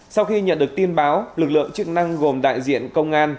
sau khi nhận được tin báo lực lượng chức năng gồm đại diện công an